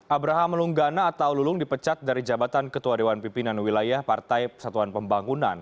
abraham lunggana atau lulung dipecat dari jabatan ketua dewan pimpinan wilayah partai persatuan pembangunan